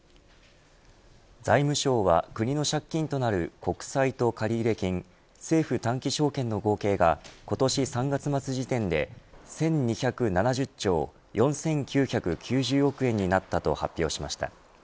財務省は国の借金となる国債と借入金政府短期証券の合計が今年３月末時点で１２７０兆４９９０億円になったと発表しました。